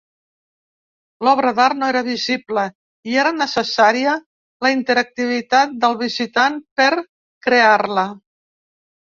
L'obra d'art no era visible, i era necessària la interactivitat del visitant per crear-la.